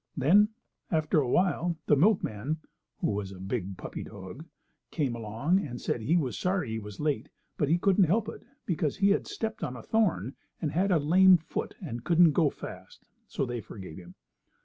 Then, after a while, the milkman (who was a big puppy dog) came along and said he was sorry he was late, but he couldn't help it, because he had stepped on a thorn and had a lame foot and couldn't go fast, so they forgave him.